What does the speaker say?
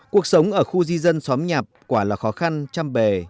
cuộc sống ở khu di dân xóm nhạp quả là khó khăn chăm bề